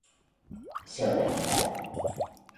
Se organizaron.